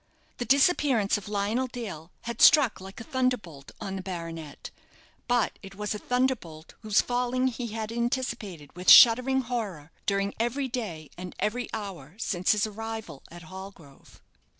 The disappearance of Lionel Dale had struck like a thunderbolt on the baronet; but it was a thunderbolt whose falling he had anticipated with shuddering horror during every day and every hour since his arrival at Hallgrove.